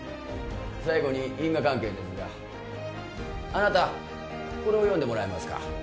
最後に因果関係ですがあなたこれを読んでもらえますか？